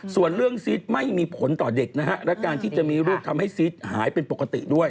ส่วนเรื่องซีดไม่มีผลต่อเด็กนะฮะและการที่จะมีลูกทำให้ซีสหายเป็นปกติด้วย